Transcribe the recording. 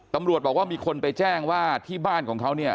ตำรวจบอกว่ามีคนไปแจ้งว่าที่บ้านของเขาเนี่ย